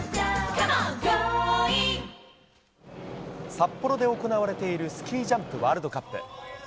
札幌で行われているスキージャンプワールドカップ。